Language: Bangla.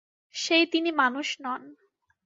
সেই তিনি মানুষ নন।